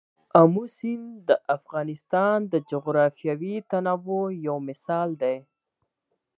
آمو سیند د افغانستان د جغرافیوي تنوع یو مثال دی.